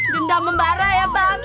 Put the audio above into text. jendam membara ya bang